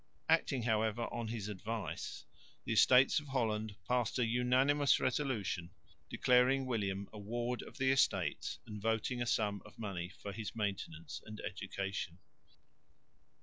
Acting however on his advice, the Estates of Holland passed a unanimous resolution declaring William a ward of the Estates and voting a sum of money for his maintenance and education.